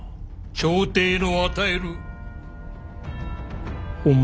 朝廷の与える誉れ。